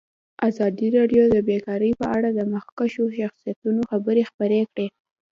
ازادي راډیو د بیکاري په اړه د مخکښو شخصیتونو خبرې خپرې کړي.